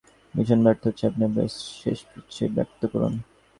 Mission ব্যর্থ হচ্ছে, আপনি আপনার শেষ ইচ্ছে ব্যক্ত করুন।